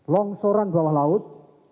longsoran bawah laut